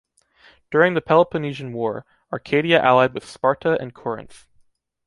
During the Peloponnesian War, Arcadia allied with Sparta and Corinth.